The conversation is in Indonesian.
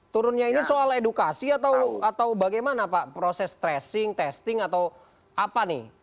turunnya ini soal edukasi atau bagaimana pak proses tracing testing atau apa nih